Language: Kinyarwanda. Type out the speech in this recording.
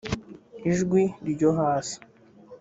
ijwi ryo hasi